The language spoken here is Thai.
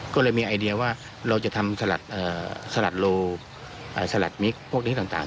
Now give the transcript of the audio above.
ก็เลยมีไอเดียว่าเราจะทำสลัดสลัดมิกพวกนี้ต่าง